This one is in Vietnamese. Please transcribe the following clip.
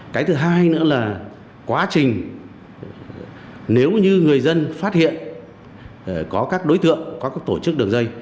cái thứ hai nữa là quá trình nếu như người dân phát hiện có các đối tượng có các tổ chức đường dây